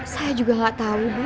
saya juga gak tahu ibu